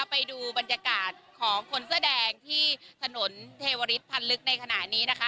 ไปดูบรรยากาศของคนเสื้อแดงที่ถนนเทวริสพันธ์ลึกในขณะนี้นะคะ